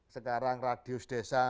sekarang radius desa